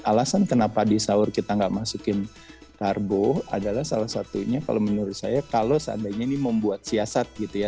alasan kenapa di sahur kita nggak masukin karbo adalah salah satunya kalau menurut saya kalau seandainya ini membuat siasat gitu ya